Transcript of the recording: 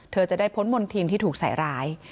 เธอจะได้พ้นมณฑินที่ถูกใส่ร้าย